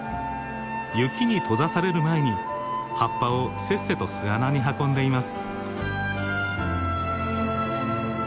雪に閉ざされる前に葉っぱをせっせと巣穴に運んでいます。